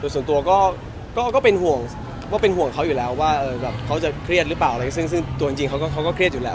ส่วนตัวก็เป็นห่วงก็เป็นห่วงเขาอยู่แล้วว่าเขาจะเครียดหรือเปล่าอะไรซึ่งตัวจริงเขาก็เครียดอยู่แล้ว